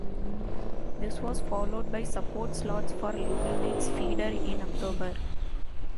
This was followed by support slots for label mates Feeder in October.